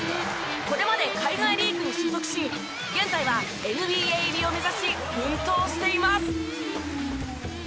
これまで海外リーグに所属し現在はＮＢＡ入りを目指し奮闘しています。